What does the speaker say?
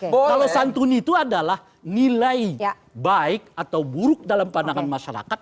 kalau santun itu adalah nilai baik atau buruk dalam pandangan masyarakat